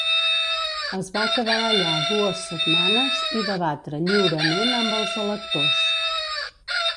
Es va quedar allà dues setmanes i debatre lliurement amb els electors.